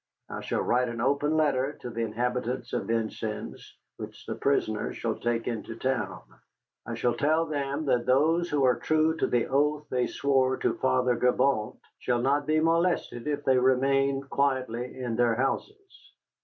I shall write an open letter to the inhabitants of Vincennes, which the prisoner shall take into town. I shall tell them that those who are true to the oath they swore to Father Gibault shall not be molested if they remain quietly in their houses.